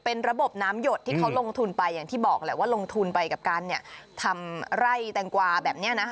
เป็นระบบน้ำหยดที่เขาลงทุนไปอย่างที่บอกแหละว่าลงทุนไปกับการทำไร่แตงกวาแบบนี้นะคะ